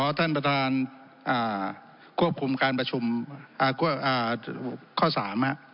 ขอท่านประธานควบคุมการประชุมข้อ๓นะครับ